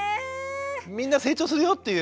みんな成長するよっていう。